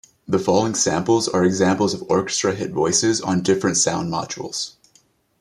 The following samples are examples of orchestra hit voices on different sound modules.